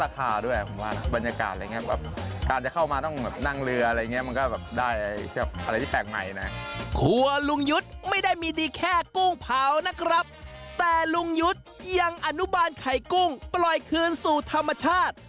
แต่ลุงยุทธ์ยังอนุบาลไข่กุ้งปล่อยคืนสู่ธรรมชาติ